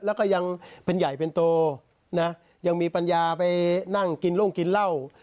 แล้วก็ยังเป็นใหญ่เป็นโตนะยังมีปัญญาไปนั่งกินร่งกินเหล้า